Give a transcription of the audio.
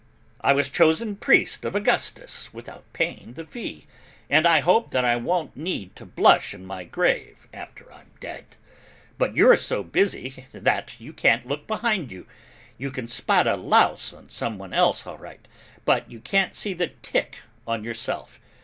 I was chosen priest of Augustus without paying the fee, and I hope that I won't need to blush in my grave after I'm dead. But you're so busy that you can't look behind you; you can spot a louse on someone else, all right, but you can't see the tick on yourself.